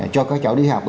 cho các cháu đi học